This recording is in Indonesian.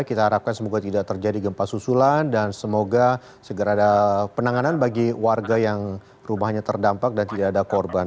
kita harapkan semoga tidak terjadi gempa susulan dan semoga segera ada penanganan bagi warga yang rumahnya terdampak dan tidak ada korban